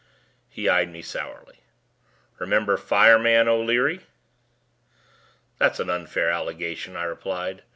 He eyed me sourly. "Remember, 'Fireman' O'Leary?" "That's an unfair allegation," I replied.